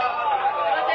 「すみません。